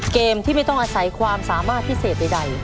เกมที่ไม่ต้องอาศัยความสามารถพิเศษใด